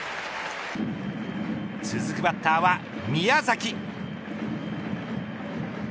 続くバッターは宮崎。